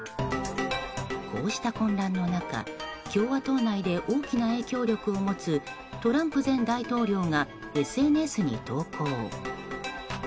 こうした混乱の中共和党内で大きな影響力を持つトランプ前大統領がＳＮＳに投稿。